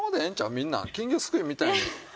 みんな金魚すくいみたいに。